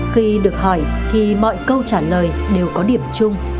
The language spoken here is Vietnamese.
khi được hỏi thì mọi câu trả lời đều có điểm chung